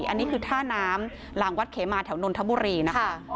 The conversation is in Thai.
อันนี้คือท่าน้ำหลังวัดเขมาแถวนนทบุรีนะคะ